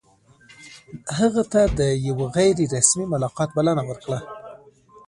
هغه ته د یوه غیر رسمي ملاقات بلنه ورکړه.